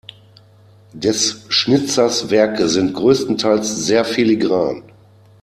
Des Schnitzers Werke sind größtenteils sehr filigran.